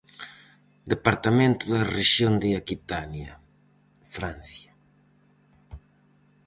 Departamento da rexión de Aquitania, Francia.